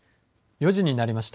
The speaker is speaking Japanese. ４時になりました。